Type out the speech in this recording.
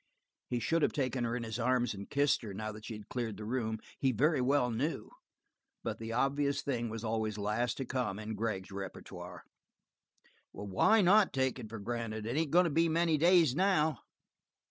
He should have taken her in his arms and kissed her, now that she had cleared the room, he very well knew, but the obvious thing was always last to come in Gregg's repertoire. "Why not take it for granted? It ain't going to be many days, now."